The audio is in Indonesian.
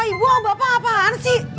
nya tuhwa ibu om bapak apaan sih